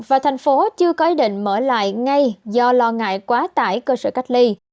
và thành phố chưa có ý định mở lại ngay do lo ngại quá tải cơ sở cách ly